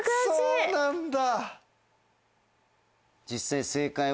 そうなんだ。